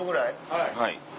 はい。